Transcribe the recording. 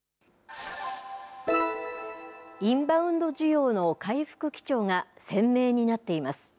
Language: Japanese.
インバウンド需要の回復基調が鮮明になっています。